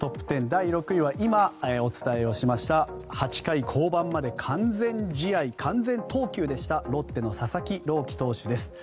第６位は今、お伝えしました８回降板まで完全試合完全投球でしたロッテの佐々木朗希投手です。